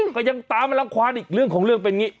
ก็ยังตามมารังความอีกเรื่องของเรื่องเป็นอย่างนี้